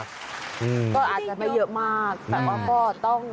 ก็อาจจะไม่เยอะมากแต่ว่าก็ต้อง